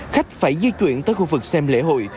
khách phải di chuyển tới khu vực xem lễ hội